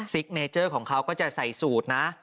เนเจอร์ของเขาก็จะใส่สูตรนะ